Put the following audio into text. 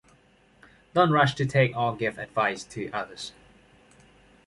Don’t rush to take or give advice to others.